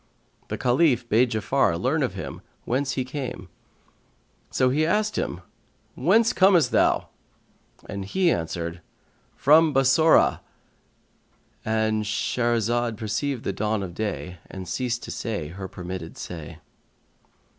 The Caliph bade Ja'afar learn of him whence he came; so he asked him, "Whence comest thou?" and he answered, "From Bassorah."—And Shahrazad perceived the dawn of day and ceased to say her permitted say.